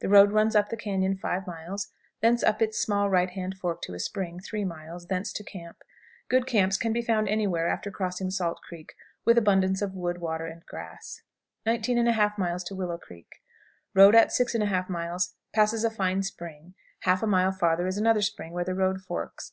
The road runs up the cañon 5 miles; thence up its small right hand fork to a spring, 3 miles; thence to camp. Good camps can be found any where after crossing Salt Creek, with abundance of wood, water, and grass. 19 1/2. Willow Creek. Road at 6 1/2 miles passes a fine spring; half a mile farther is another spring, where the road forks.